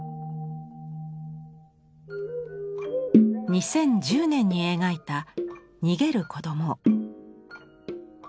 ２０１０年に描いた「逃げる子どもⅠ」。